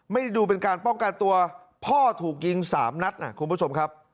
ไม่ได้ดูเป็นการป้องกันตัวพ่อถูกยิง๓นัดนะคุณผู้ชมครับ